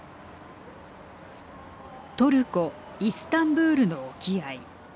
トルコイスタンブールの沖合。